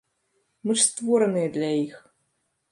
Мы ж створаныя для іх.